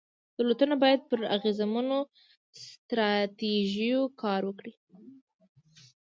دولتونه باید پر اغېزمنو ستراتیژیو کار وکړي.